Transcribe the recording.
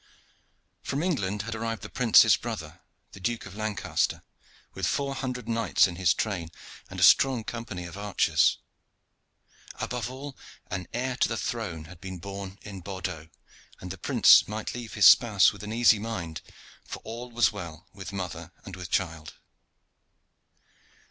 From England had arrived the prince's brother, the Duke of Lancaster, with four hundred knights in his train and a strong company of archers. Above all, an heir to the throne had been born in Bordeaux, and the prince might leave his spouse with an easy mind, for all was well with mother and with child.